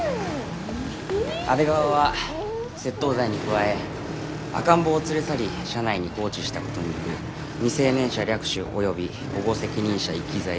阿出川は窃盗罪に加え赤ん坊を連れ去り車内に放置したことによる未成年者略取および保護責任者遺棄罪に問われることになりそうです。